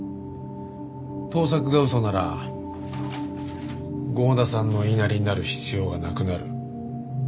盗作が嘘なら郷田さんの言いなりになる必要はなくなる。